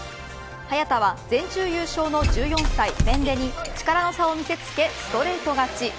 早田は全中優勝の１４歳、面手に力の差を見せつけストレート勝ち。